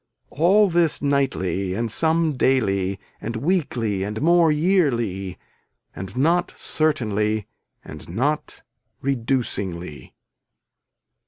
All this nightly and some daily and weakly and more yearly and not certainly and not reducingly.